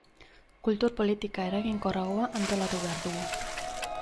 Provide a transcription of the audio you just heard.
Kultur politika eraginkorragoa antolatu behar dugu.